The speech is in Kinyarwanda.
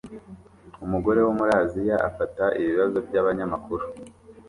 Umugore wo muri Aziya afata ibibazo byabanyamakuru